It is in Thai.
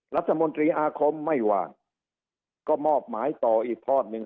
รัฐมนตรีอาคมไม่ว่างก็มอบหมายต่ออีกทอดหนึ่ง